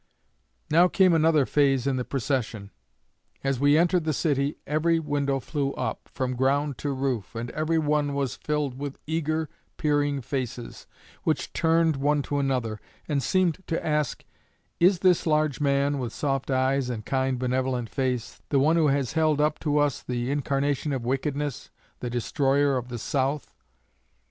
"Now came another phase in the procession. As we entered the city every window flew up, from ground to roof, and every one was filled with eager, peering faces, which turned one to another, and seemed to ask, 'Is this large man, with soft eyes, and kind, benevolent face, the one who has been held up to us as the incarnation of wickedness, the destroyer of the South?'